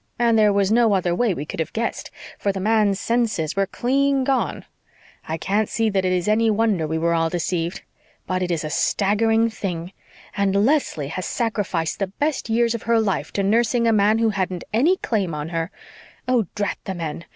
And there was no other way we could have guessed, for the man's senses were clean gone. I can't see that it is any wonder we were all deceived. But it's a staggering thing. And Leslie has sacrificed the best years of her life to nursing a man who hadn't any claim on her! Oh, drat the men!